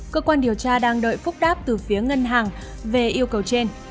cơ quan điều tra đang đợi phúc đáp từ phía ngân hàng về yêu cầu trên